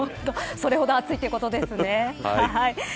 それほど暑いということですね。